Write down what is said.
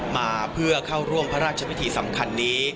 มาเพื่อเข้าร่วมพระราชพิธีสำคัญนี้